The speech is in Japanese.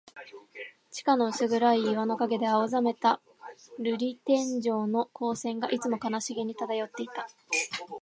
地下の薄暗い岩の影で、青ざめた玻璃天井の光線が、いつも悲しげに漂っていた。